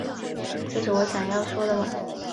这是我想要说的吗